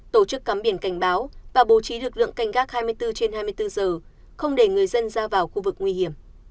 tổ chức cắm biển cảnh báo và bố trí lực lượng canh gác hai mươi bốn trên hai mươi bốn giờ không để người dân ra vào khu vực nguy hiểm